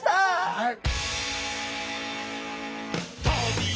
はい。